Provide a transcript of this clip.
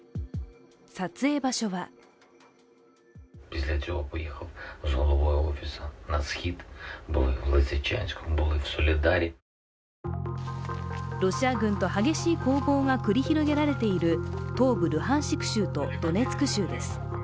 撮影場所はロシア軍と激しい攻防が繰り広げられている東部ルハンシク州とドネツク州です。